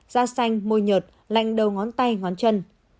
da xanh môi nhợt lạnh đầu ngón tay ngón chân